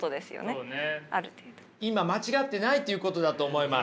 今間違ってないっていうことだと思います。